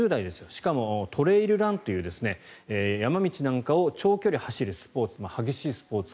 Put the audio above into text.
しかもトレイルランという山道なんかを長距離走るスポーツ激しいスポーツ。